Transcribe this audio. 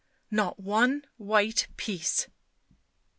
" Not one white piece."